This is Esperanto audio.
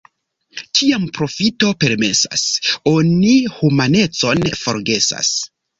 Kiam profito permesas, oni humanecon forgesas.